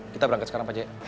kita berangkat sekarang pak jaya